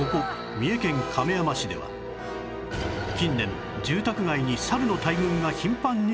三重県亀山市では近年住宅街にサルの大群が頻繁に出没